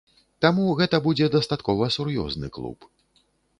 Таму гэта будзе дастаткова сур'ёзны клуб.